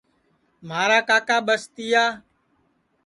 مھارا کاکا ٻستِیا